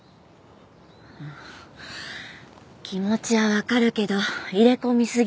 気持ちはわかるけど入れ込みすぎ。